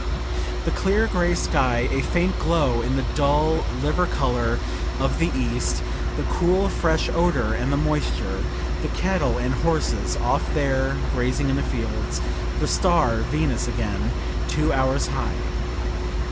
The clear gray sky, a faint glow in the dull liver color of the east, the cool fresh odor and the moisture the cattle and horses off there grazing in the fields the star Venus again, two hours high.